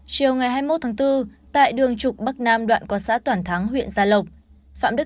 xin chào và hẹn gặp lại